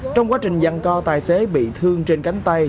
trong quá trình dăn co tài xế bị thương trên cánh tay